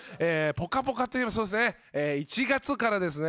ぽかぽかといえばそうですね１月からですね